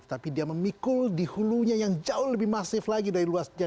tapi dia memikul di hulunya yang jauh lebih masif lagi dari luasnya